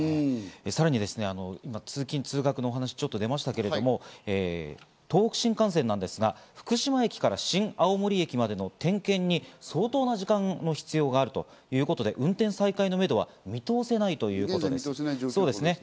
さらに通勤通学のお話がちょっと出ましたけど、東北新幹線なんですが、福島駅から新青森駅までの点検に相当な時間の必要があるということで、運転再開のめどは見通せないということです。